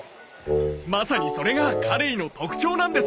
まさにそれがカレイの特徴なんです！